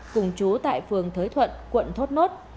cùng chú tại phương thới thuận quận thốt nốt